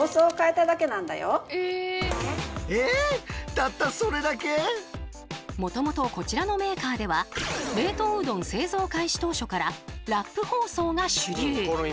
でもそれだと実はもともとこちらのメーカーでは冷凍うどん製造開始当初からラップ包装が主流。